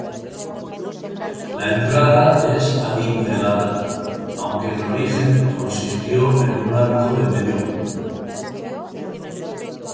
La entrada es adintelada, aunque en origen consistió en un arco de medio punto.